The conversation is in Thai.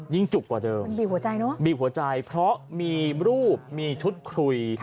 จุกกว่าเดิมมันบีบหัวใจเนอะบีบหัวใจเพราะมีรูปมีชุดคุย